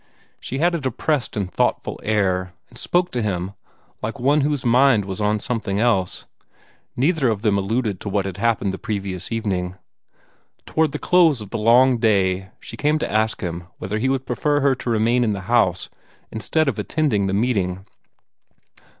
She had a depressed and thoughtful air, and spoke to him like one whose mind was on something else. Neither of them alluded to what had happened the previous evening. Toward the close of the long day, she came to ask him whether he would prefer her to remain in the house, instead of attending the meeting.